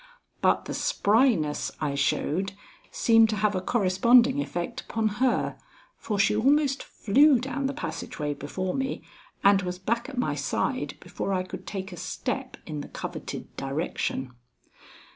But the spryness I showed, seemed to have a corresponding effect upon her, for she almost flew down the passageway before me and was back at my side before I could take a step in the coveted direction.